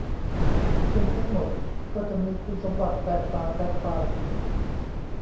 ซึ่งทั้งหมดก็จะมีคุณสมบัติแตกต่างกันไป